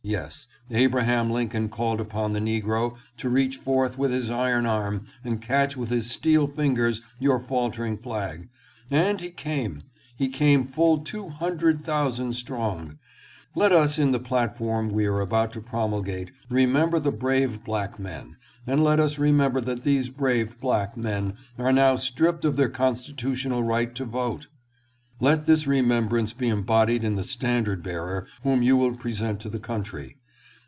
Yes, Abraham Lincoln called upon the negro to reach forth with his iron arm and catch with his steel fingers your faltering flag, and he came, he came full two hundred thousand strong. Let us in the 720 SPEECH AT THE CONVENTION. platform we are about to promulgate remember the brave black men, and let us remember that these brave black men are now stripped of their constitutional right to vote. Let this remembrance be embodied in the standard bearer whom you will present to the country.